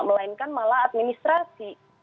melainkan malah administrasi